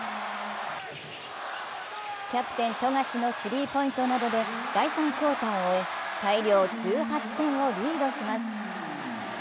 キャプテン・富樫のスリーポイントなどで第３クオーターを終え大量１８点をリードします。